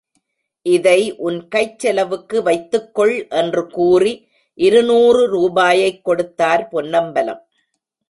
இதை உன் கைச்செலவுக்கு வைத்துக் கொள் என்று கூறி இருநூறு ரூபாயைக் கொடுத்தார் பொன்னம்பலம்.